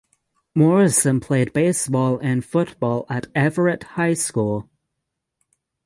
Morrison played baseball and football at Everett High School.